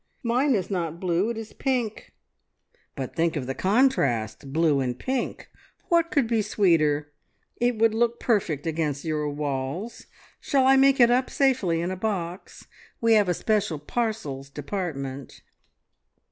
"Mine is not blue. It is pink." "But think of the contrast! Blue and pink! What could be sweeter? It would look perfect against your walls! Shall I make it up safely in a box? We have a special parcels department."